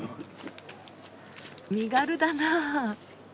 身軽だなあ。